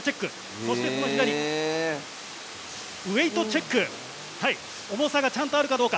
そして、その左はウエイトチェック重さが、ちゃんとあるかどうか。